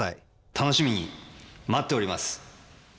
「楽しみに待っております」。